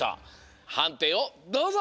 はんていをどうぞ！